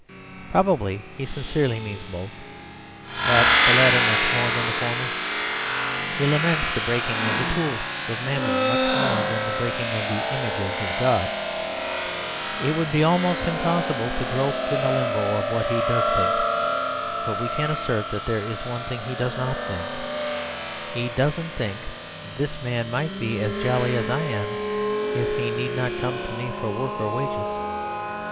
Probably he sincerely means both, but the latter much more than the former; he laments the breaking of the tools of Mammon much more than the breaking of the images of God. It would be almost impossible to grope in the limbo of what he does think; but we can assert that there is one thing he doesn't think. He doesn't think, "This man might be as jolly as I am, if he need not come to me for work or wages."